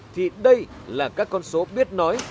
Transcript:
thì đây là các con số biết nói